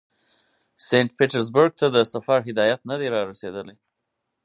سینټ پیټرزبورګ ته د سفر هدایت نه دی را رسېدلی.